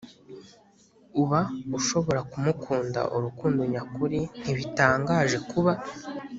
Uba ushobora kumukunda urukundo nyakuri ntibitangaje kuba